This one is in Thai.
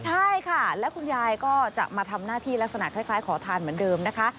ใช่ค่ะและคุณยายก็จะมาทำหน้าที่ลักษณะคล้ายขอทานเหมือนเดิมนะคะ